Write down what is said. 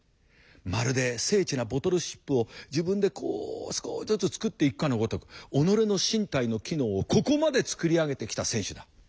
まるで精緻なボトルシップを自分でこう少しずつ作っていくかのごとく己の身体の機能をここまで作り上げてきた選手だ。